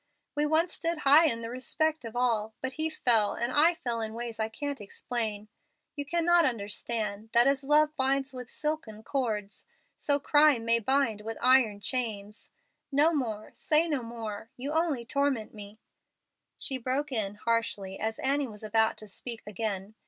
We once stood high in the respect of all. But he fell, and I fell in ways I can't explain. You cannot understand, that as love binds with silken cords, so crime may bind with iron chains. No more say no more. You only torment me," she broke in, harshly, as Annie was about to speak again.